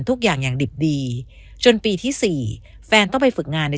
ทุกอย่างอย่างดิบดีจนปีที่สี่แฟนต้องไปฝึกงานใน